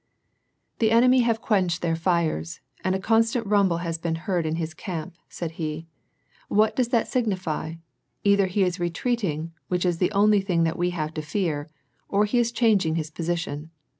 "The enemy have quenched their fires, and a constant nmrble has been heard in his camp," said he. " AVhat does that sig nify ? Either he is retreating, which is the only thing that we have to fear, or he is changing his position."